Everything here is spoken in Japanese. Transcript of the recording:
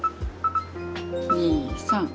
２３。